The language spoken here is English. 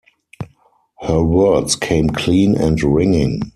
Her words came clean and ringing.